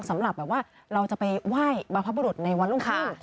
สำหรับว่าเราจะไปว่ายบรรพบุรุษในวันลุงคา